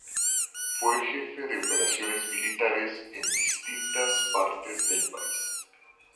Fue jefe de operaciones militares en distintas partes del país.